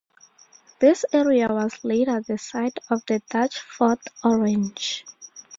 This area was later the site of the Dutch Fort Orange.